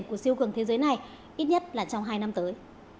của siêu cường thế giới này ít nhất là trong hai năm tới